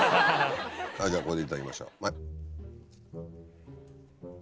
はいじゃあこれでいただきましょうはい。